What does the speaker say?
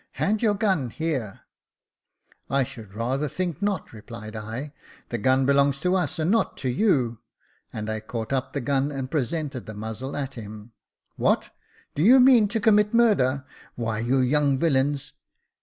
Hand your gun here." '* I should rather think not," replied I. '* The gun belongs to us and not to you ;" and I caught up the gun, and presented the muzzle at him. " What ! do you mean to commit murder ? Why, you young villains